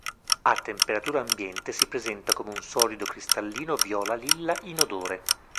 A temperatura ambiente si presenta come un solido cristallino viola-lilla inodore.